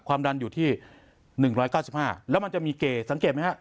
ความดันอยู่ที่หนึ่งร้อยเก้าสิบห้าแล้วมันจะมีเกสังเกตไหมฮะ